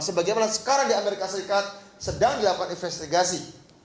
sebagai yang malah sekarang di amerika serikat sedang dilakukan investigasi